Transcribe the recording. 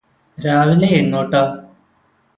രാവിലെയെങ്ങോട്ടാ?